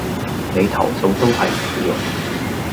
你投訴都係無用